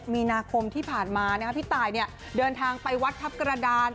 มีนาคมที่ผ่านมาพี่ตายเดินทางไปวัดทัพกระดาน